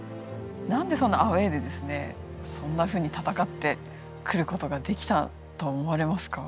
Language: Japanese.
何でそんなアウェーでそんなふうに戦ってくることができたと思われますか？